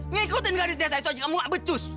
ngikutin gadis desa itu aja kamu gak becus